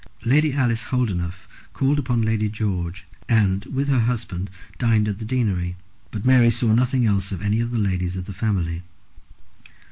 Lady Alice Holdenough called upon Lady George, and, with her husband, dined at the deanery; but Mary saw nothing else of any of the ladies of the family.